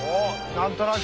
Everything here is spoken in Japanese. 何となく。